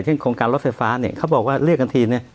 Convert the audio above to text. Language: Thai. เช่นโครงการรถเสร็ฐฟ้าครับบอกว่าเรียกกันที